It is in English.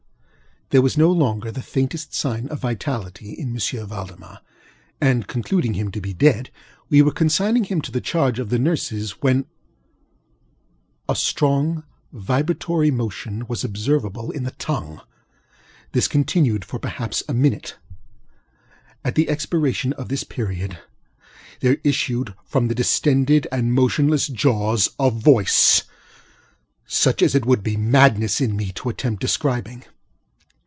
There was no longer the faintest sign of vitality in M. Valdemar; and concluding him to be dead, we were consigning him to the charge of the nurses, when a strong vibratory motion was observable in the tongue. This continued for perhaps a minute. At the expiration of this period, there issued from the distended and motionless jaws a voiceŌĆösuch as it would be madness in me to attempt describing.